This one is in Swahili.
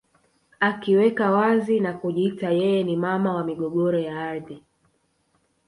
Akiweka wazi na kujiita yeye ni mama wa migogoro ya ardhi